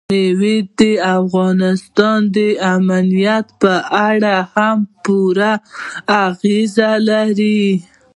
مېوې د افغانستان د امنیت په اړه هم پوره اغېز لري.